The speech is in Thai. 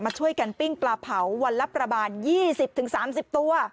มาช่วยกันปิ้งปลาเผาวันลับประบาทยี่สิบถึงสามสิบตัว